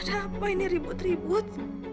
apa ini ribut ribut